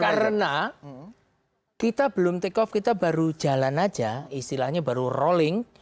karena kita belum take off kita baru jalan saja istilahnya baru rolling